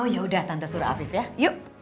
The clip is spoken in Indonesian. oh ya udah tante suruh afif ya yuk